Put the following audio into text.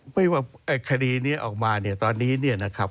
ไม่ว่าคดีนี้ออกมาเนี่ยตอนนี้เนี่ยนะครับ